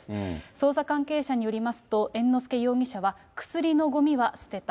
捜査関係者によりますと、猿之助容疑者は薬のごみは捨てた。